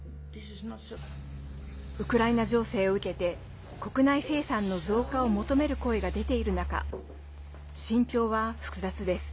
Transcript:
ウクライナ情勢を受けて国内生産の増加を求める声が出ている中、心境は複雑です。